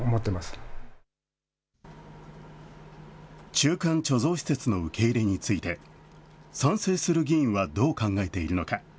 中間貯蔵施設の受け入れについて、賛成する議員はどう考えているのか。